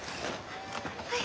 はい。